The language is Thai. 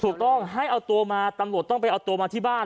ถูกต้องให้เอาตัวมาตำรวจต้องไปเอาตัวมาที่บ้าน